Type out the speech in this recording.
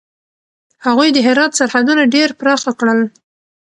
هغوی د هرات سرحدونه ډېر پراخه کړل.